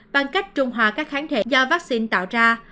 bằng cách trung hòa các kháng thể do vaccine tạo ra